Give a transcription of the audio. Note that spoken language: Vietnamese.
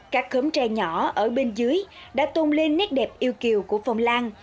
các khớm tre nhỏ ở bên dưới đã tôn lên nét đẹp yêu kiều của phong lan